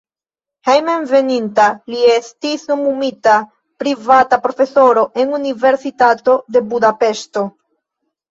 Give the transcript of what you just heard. Hejmenveninta li estis nomumita privata profesoro en Universitato de Budapeŝto.